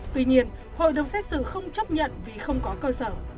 tuy nhiên hội đồng xét xử không chấp nhận vì không có cơ sở